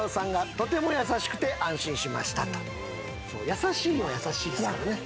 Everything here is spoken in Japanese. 優しいのは優しいっすからね。